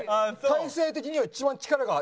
体勢的には一番力が。